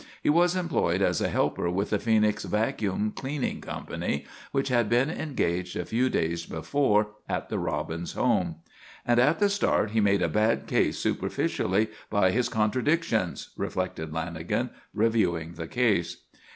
He was employed as a helper with the Phoenix Vacuum Cleaning Company, which had been engaged a few days before at the Robbins home. "And at the start he made a bad case, superficially, by his contradictions," reflected Lanagan, reviewing the case.